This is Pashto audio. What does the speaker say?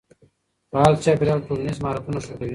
فعال چاپېريال ټولنیز مهارتونه ښه کوي.